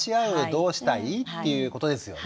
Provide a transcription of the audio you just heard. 「どうしたい？」っていうことですよね？